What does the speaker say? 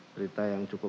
berita yang cukup